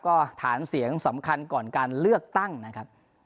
ก็ฐานเสียงสำคัญก่อนการเลือกตั้งนะครับ